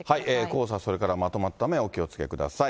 黄砂、それからまとまった雨、お気を付けください。